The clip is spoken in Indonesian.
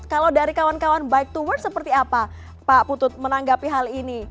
kalau dari kawan kawan bike to work seperti apa pak putut menanggapi hal ini